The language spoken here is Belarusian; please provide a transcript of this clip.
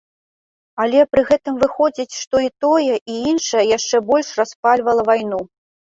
Але пры гэтым выходзіць, што і тое, і іншае яшчэ больш распальвала вайну.